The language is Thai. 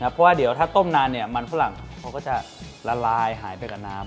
เพราะว่าถ้าต้มนานเนี่ยมันฝรั่งก็จะละลายหายไปกับน้ำ